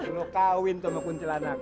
lo kawin tuh mau kuntilanak